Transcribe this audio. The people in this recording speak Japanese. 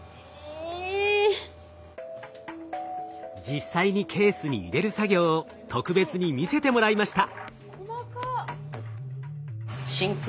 実際にケースに入れる作業を特別に見せてもらいました。